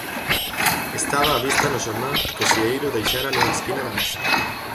Estaba á vista no xornal que o Sieiro deixara nunha esquina da mesa.